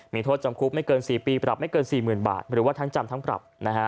มีโทษจำคุกไม่เกิน๔ปีปรับไม่เกิน๔๐๐๐บาทหรือว่าทั้งจำทั้งปรับ